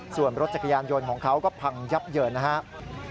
ส่วนรถจักรยานยนต์ของเขาก็พังยับเยินนะครับ